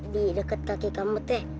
di dekat kaki kamu teh